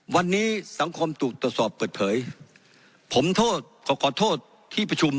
วันนี้สังคมถูกตรวจสอบเปิดเผยผมโทษขอขอโทษที่ประชุม